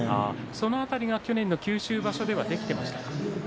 その辺り去年の九州場所はできていましたか？